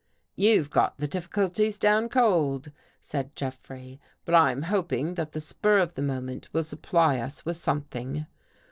" You've got the difficulties down cold," said Jeffrey, " but I'm hoping that the spur of the moment will supply us with something."